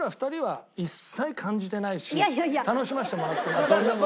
楽しませてもらってます。